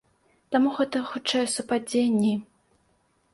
Таму гэта хутчэй супадзенні.